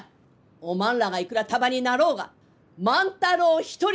おまんらがいくら束になろうが万太郎一人にはかなわん！